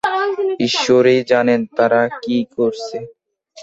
ঈশ্বরই জানেন তারা কি করছে!